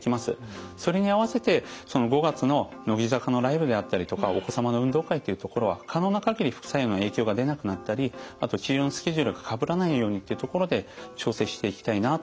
それに合わせて５月の乃木坂のライブであったりとかお子様の運動会っていうところは可能な限り副作用の影響が出なくなったりあと治療のスケジュールがかぶらないようにっていうところで調整していきたいなと。